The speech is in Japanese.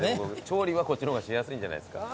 調理はこっちの方がしやすいんじゃないですか。